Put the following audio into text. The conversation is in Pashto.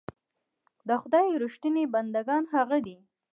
د خدای رښتيني بندګان هغه دي.